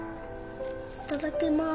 いただきます。